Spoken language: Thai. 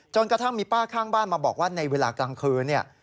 กระทั่งมีป้าข้างบ้านมาบอกว่าในเวลากลางคืนเนี่ย